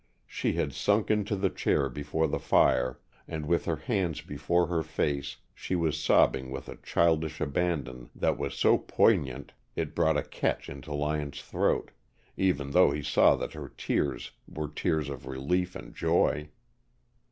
She had sunk into the chair before the fire, and with her hands before her face she was sobbing with a childish abandon that was so poignant It brought a catch into Lyon's throat, even though he saw that her tears were tears of relief and joy.